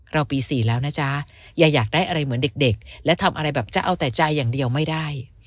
เราปี๔แล้วนะจ๊ะอย่าอยากได้อะไรเหมือนเด็กและทำอะไรแบบจะเอาแต่ใจอย่างเดียวไม่ได้